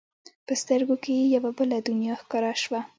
په سترګو کې یې یوه بله دنیا ښکاره شوه.